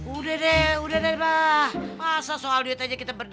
udah deh udah deh pak